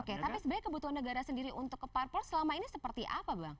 oke tapi sebenarnya kebutuhan negara sendiri untuk ke parpol selama ini seperti apa bang